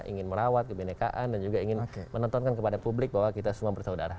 ingin merawat kebenekaan dan juga ingin menontonkan kepada publik bahwa kita semua bersaudara